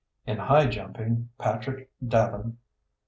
In high jumping, Patrick Davin, P.